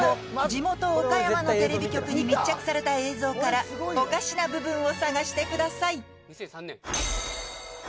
地元岡山のテレビ局に密着された映像からおかしな部分を探してください